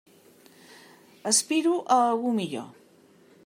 Aspiro a algú millor.